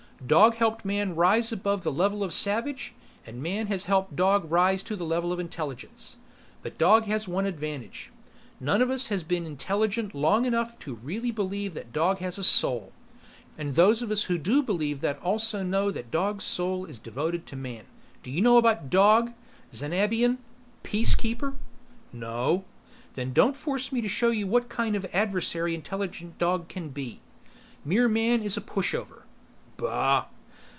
Dog helped man rise above the level of the savage, and man has helped dog rise to the level of intelligence. But dog has one advantage. None of us has been intelligent long enough to really believe that dog has a soul, and those of us who do believe that also know that dog's soul is devoted to man. Do you know about dog, Xanabian Peacekeeper?" "No " "Then don't force me to show you what kind of adversary intelligent dog can be. Mere man is a pushover!" "Bah!"